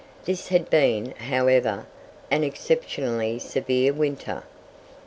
This had been, however, an exceptionally severe winter.